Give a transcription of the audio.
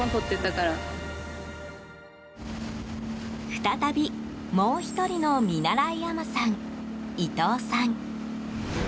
再び、もう１人の見習い海女さん、伊藤さん。